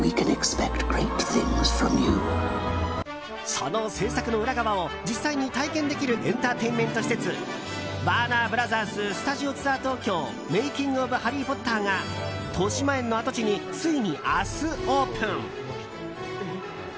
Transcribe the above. その制作の裏側を実際に体験できるエンターテインメント施設ワーナーブラザーススタジオツアー東京‐メイキング・オブ・ハリー・ポッターがとしまえんの跡地についに明日オープン！